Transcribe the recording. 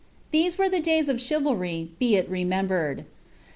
These were the dayii of cliivalry, be it remembered.'